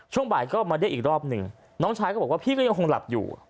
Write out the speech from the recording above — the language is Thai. ช่วงบ่ายก็มาเรียกอีกรอบหนึ่งน้องชายก็บอกว่าพี่ก็ยังคงหลับอยู่